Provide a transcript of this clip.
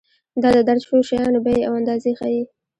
دا د درج شویو شیانو بیې او اندازې ښيي.